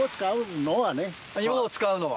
いもを使うのは。